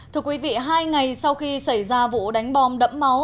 thưa quý vị hai ngày sau khi xảy ra vụ đánh bom đẫm máu